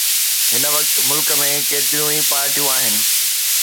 هن وقت ملڪ ۾ ڪيتريون ئي پارٽيون آهن